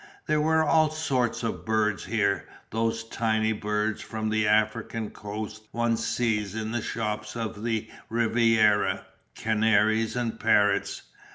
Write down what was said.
There were all sorts of birds here, those tiny birds from the African coast one sees in the shops of the Riviera, canaries and parrots.